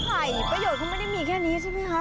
ประโยชน์เขาไม่ได้มีแค่นี้ใช่ไหมคะ